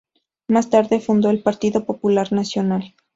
Más tarde, fundó el Partido Popular Nacional.